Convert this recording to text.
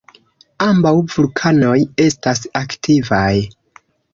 Ambaŭ vulkanoj estas aktivaj.